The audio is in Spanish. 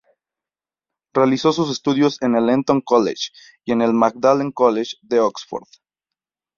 Realizó sus estudios en el Eton College y en el Magdalen College, de Oxford.